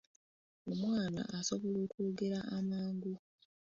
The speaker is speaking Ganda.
Omwana asobola okwogera amangu.